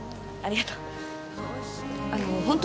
ありがとう。